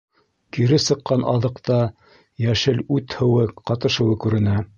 - кире сыҡҡан аҙыҡта йәшел үт һыуы ҡатышыуы күренә